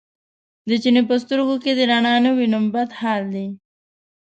د چیني په سترګو کې دې رڼا نه وینم بد حال دی.